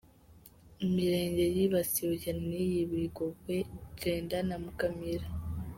Imirenge yibasiwe cyane ni iya Bigogwe, Jenda na Mukamira.